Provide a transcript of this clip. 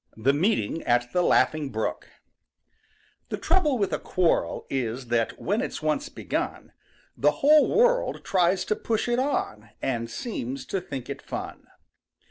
THE MEETING AT THE LAUGHING BROOK The trouble with a quarrel is That when it's once begun The whole world tries to push it on, And seems to think it fun.